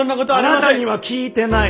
あなたには聞いてない。